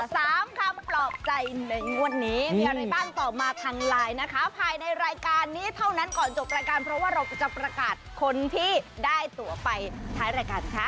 คำปลอบใจในงวดนี้มีอะไรบ้างตอบมาทางไลน์นะคะภายในรายการนี้เท่านั้นก่อนจบรายการเพราะว่าเราจะประกาศคนที่ได้ตัวไปท้ายรายการค่ะ